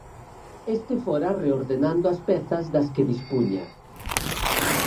Este fora reordenando as pezas das que dispuña.